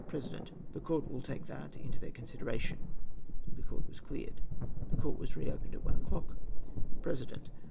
President. — "The Court will take that into their con sideration." The Court was cleared. The Court was re opened at one o'clock. President.